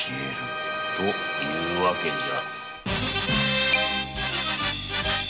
というわけじゃ。